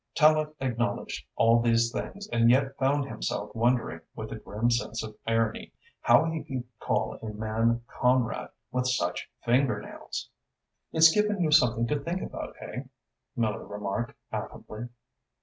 Tallente acknowledged all these things and yet found himself wondering, with a grim sense of irony, how he could call a man "Comrade" with such finger nails! "It's given you something to think about, eh?" Miller remarked affably.